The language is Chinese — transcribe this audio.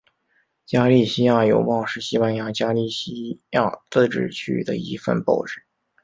加利西亚邮报是西班牙加利西亚自治区的一份报纸。